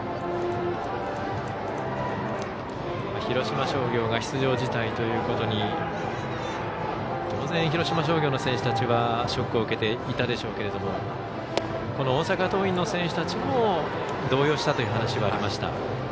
広島商業が出場辞退ということに当然、広島商業の選手たちはショックを受けていたでしょうけれどもこの大阪桐蔭の選手たちも動揺したという話がありました。